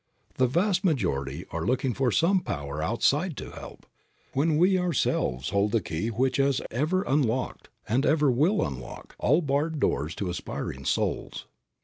The vast majority are looking for some power outside to help, when we ourselves hold the key which has ever unlocked, and ever will unlock, all barred doors to aspiring souls.